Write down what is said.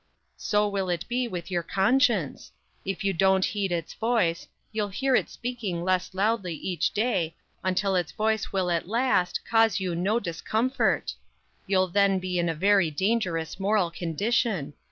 "So will it be with your conscience. If you don't heed its voice, you'll hear it speaking less loudly each day until its voice will at last cause you no discomfort. You'll then be in a very dangerous moral condition.